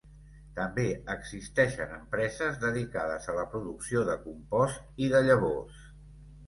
També existeixen empreses dedicades a la producció de compost i de llavors.